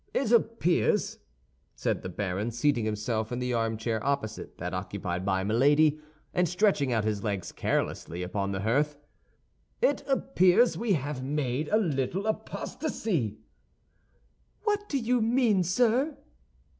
"It appears," said the baron, seating himself in the armchair opposite that occupied by Milady, and stretching out his legs carelessly upon the hearth, "it appears we have made a little apostasy!" "What do you mean, sir!"